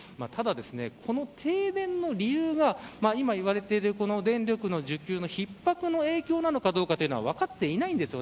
ただ、この停電の理由が今言われている電力の需給のひっ迫の影響なのかというのは分かっていません。